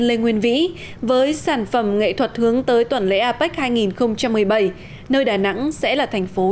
lê nguyên vĩ với sản phẩm nghệ thuật hướng tới tuần lễ apec hai nghìn một mươi bảy nơi đà nẵng sẽ là thành phố